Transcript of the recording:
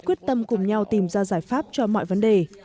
quyết tâm cùng nhau tìm ra giải pháp cho mọi vấn đề